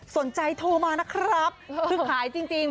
สนใจโทรมาครับคือขายจริง